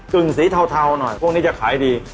กึ่งสีเทาหน่อยพวกนี้จะขายดี